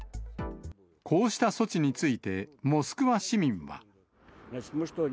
こうした措置について、モスクワ市民は。